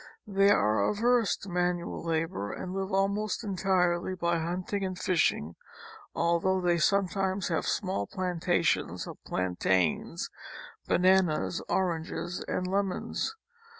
They are averse to manual labor and live almost entirely by hunting and fishing, although they sometimes have small planta tions of plantains, bananas, oranges and lemons.